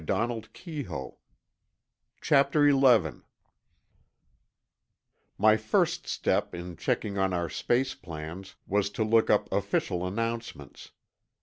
Yours, ART GREEN CHAPTER XI My first step, in checking on our space plans, was to look up official announcements.